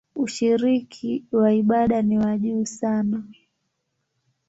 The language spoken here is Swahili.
Ushiriki wa ibada ni wa juu sana.